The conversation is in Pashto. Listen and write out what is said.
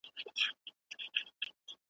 دغه شین اسمان شاهد دی `